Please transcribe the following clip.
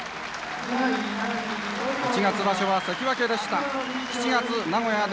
七月場所は関脇でした。